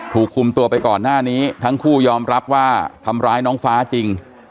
ถูกคุมตัวไปก่อนหน้านี้ทั้งคู่ยอมรับว่าทำร้ายน้องฟ้าจริง